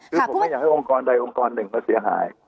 คือผมไม่อยากให้องค์กรใดองค์กรหนึ่งมาเสียหาย